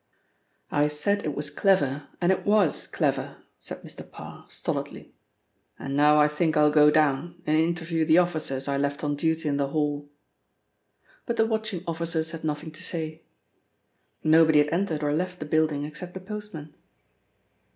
"I said it was clever, and it was clever," said Mr. Parr stolidly, "and now I think I'll go down, and interview the officers I left on duty in the hall." But the watching officers had nothing to say. "Nobody had entered or left the building except the postman.